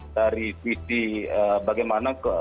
dari visi bagaimana